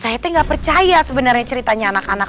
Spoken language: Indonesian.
saya mah parete gak percaya sebenarnya ceritanya anak anak